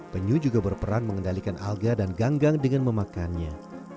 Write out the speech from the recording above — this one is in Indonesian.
penyu juga berperan mengendalikan alga dan ganggang dengan memakannya